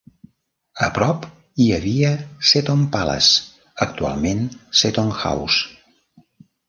A prop hi havia Seton Palace, actualment Seton House.